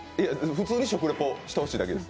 普通に食リポしてほしいだけです。